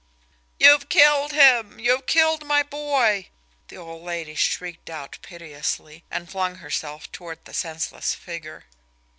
"You've killed him! You've killed my boy!" the old lady shrieked out piteously, and flung herself toward the senseless figure.